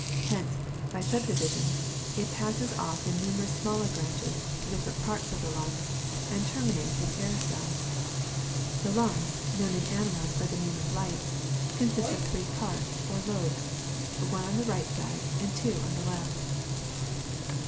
Hence, by subdivisions, it passes off in numerous smaller branches, to different parts of the lungs, and terminates in air cells. The lungs, known in animals by the name of lights, consist of three parts, or lobes, one on the right side, and two on the left.